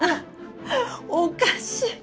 おかしい！